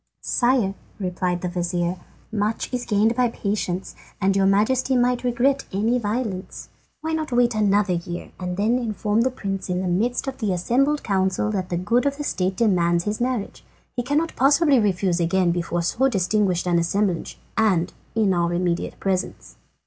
"Sire," replied the vizir, "much is gained by patience, and your Majesty might regret any violence. Why not wait another year and then inform the Prince in the midst of the assembled council that the good of the state demands his marriage? He cannot possibly refuse again before so distinguished an assemblage, and in our immediate presence."